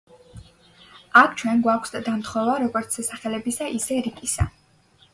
აქ ჩვენ გვაქვს დამთხვევა როგორც სახელებისა, ისე რიგისა.